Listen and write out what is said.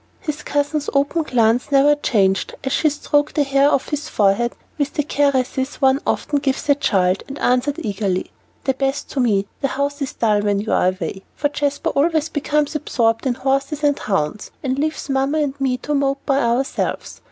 His cousin's open glance never changed as she stroked the hair off his forehead with the caress one often gives a child, and answered eagerly, "The best to me; the house is dull when you are away, for Jasper always becomes absorbed in horses and hounds, and leaves Mamma and me to mope by ourselves.